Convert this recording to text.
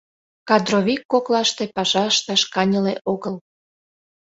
Кадровик коклаште паша ышташ каньыле огыл.